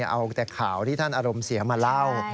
เอาแต่ข่าวที่ท่านอารมณ์เสียมาเล่า